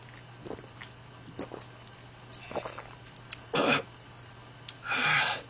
ああはっ。